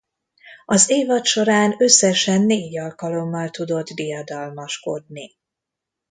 Az évad során összesen négy alkalommal tudott diadalmaskodni.